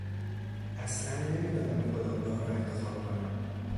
اصلا نمیدانم کدام راه را انتخاب کنم.